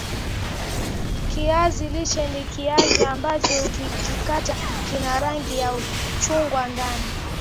Kiazi lishe ni kiazi ambacho ukikikata kina rangi ya chungwa ndani